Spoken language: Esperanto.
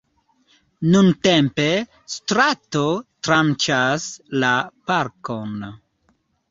Nuntempe strato tranĉas la parkon.